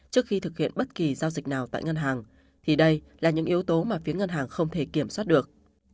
trước khi thực hiện bất kỳ giao dịch nào tại ngân hàng thì đây là những yếu tố mà phía ngân hàng không thể kiểm soát được